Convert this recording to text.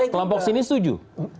kelompok sini setuju